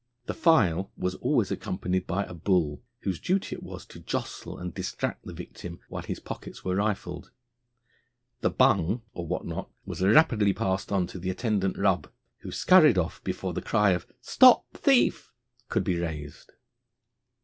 The file was always accompanied by a bull, whose duty it was to jostle and distract the victim while his pockets were rifled. The bung, or what not, was rapidly passed on to the attendant rub, who scurried off before the cry of STOP THIEF! could be raised.